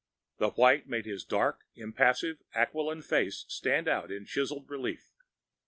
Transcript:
The white made his dark, impassive, aquiline face stand out in chiseled relief.